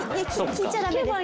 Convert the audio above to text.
聞いちゃダメです。